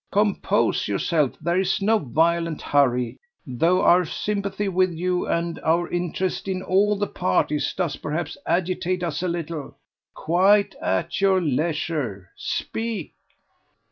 Compose yourself; there is no violent hurry, though our sympathy with you and our interest in all the parties does perhaps agitate us a little. Quite at your leisure speak!"